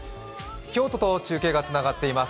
京都と中継がつながっています。